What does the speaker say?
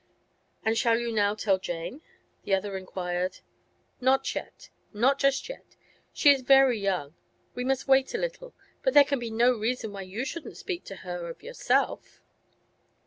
'And shall you now tell Jane?' the other inquired. 'Not yet; not just yet. She is very young; we must wait a little. But there can be no reason why you shouldn't speak to her—of yourself.